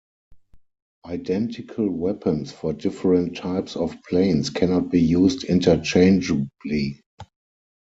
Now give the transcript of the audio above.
Identical weapons for different types of planes cannot be used interchangeably.